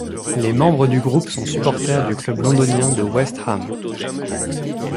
Les membres du groupe sont supporters du club londonien de West Ham.